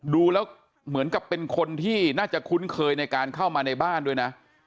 ดูแล้วเหมือนกับเป็นคนที่น่าจะคุ้นเคยในการเข้ามาในบ้านด้วยนะ